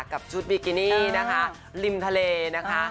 กับชุดบิกินี่นะคะริมทะเลนะคะ